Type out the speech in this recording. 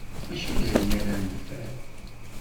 Mačči d ayen ara neffer.